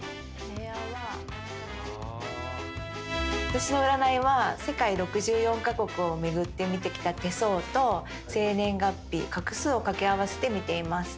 私の占いは世界６４カ国を巡って見てきた手相と生年月日画数を掛け合わせて見ています。